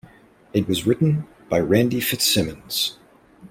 It was written by Randy Fitzsimmons.